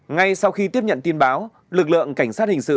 ngay sau khi tiếp nhận tin báo lực lượng cảnh sát hình sự